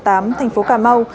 thành phố cà mau